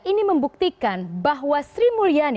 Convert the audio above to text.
ini membuktikan bahwa sri mulyani